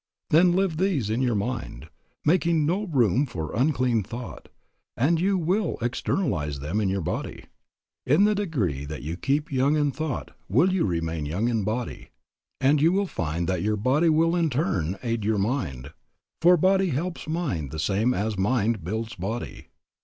Then live these in your mind, making no room for unclean thought, and you will externalize them in your body. In the degree that you keep young in thought will you remain young in body. And you will find that your body will in turn aid your mind, for body helps mind the same as mind builds body.